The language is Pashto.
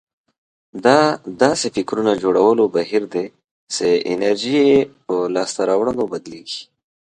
دا داسې فکرونه جوړولو بهير دی چې انرژي يې په لاسته راوړنو بدلېږي.